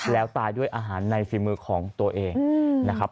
แล้วตายด้วยอาหารในฝีมือของตัวเองนะครับ